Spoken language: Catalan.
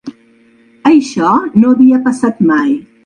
Això no havia passat mai.